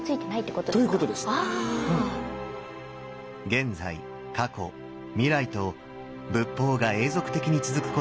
現在・過去・未来と仏法が永続的に続くことを意味する